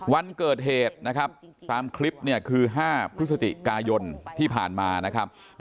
วันเกิดเหตุนะครับตามคลิปเนี่ยคือ๕พฤศจิกายนที่ผ่านมานะครับ